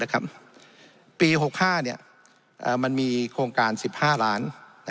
ละครับปี๖๕เนี่ยมันมีโครงการ๑๕ล้าน